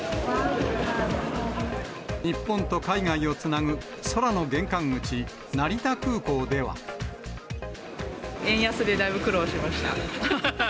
日本と海外をつなぐ空の玄関口、円安でだいぶ苦労しました。